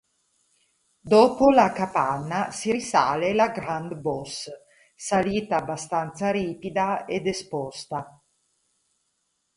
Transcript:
Dopo la capanna si risale la Grande Bosse, salita abbastanza ripida ed esposta.